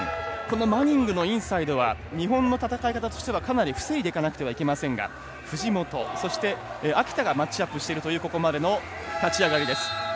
マニングのインサイドは日本の戦い方としてはかなり防いでいかなくてはいけませんが、藤本と秋田がマッチアップしているというここまでの立ち上がり。